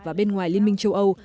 và bên ngoài liên minh châu âu